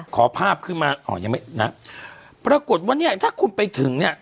ขอภาพขึ้นมาอ๋อยังไม่นะปรากฏว่าเนี่ยถ้าคุณไปถึงเนี่ย